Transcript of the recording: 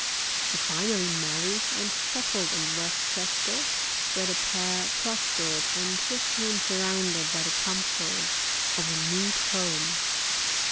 She finally married, and settled in West Chester, where the pair prospered and were soon surrounded by the comforts of a neat home.